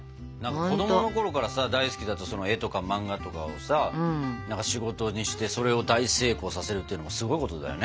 子供のころから大好きだった絵とか漫画とかをさ仕事にしてそれを大成功させるっていうのはすごいことだよね。